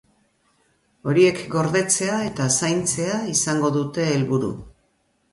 Horiek gordetzea eta zaintzea izango dute helburu.